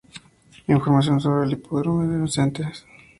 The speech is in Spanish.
Información sobre el "Hippodrome de Vincennes".